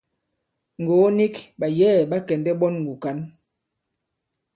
Ŋgògo nik, ɓàyɛ̌ɛ̀ ɓa kɛ̀ndɛ̀ ɓɔn wùkǎn.